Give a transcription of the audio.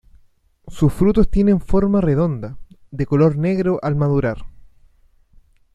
Sus frutos tienen forma redonda, de color negro al madurar.